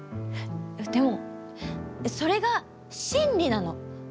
でもそれが真理なの。